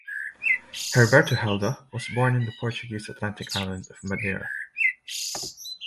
Herberto Helder was born in the Portuguese Atlantic island of Madeira.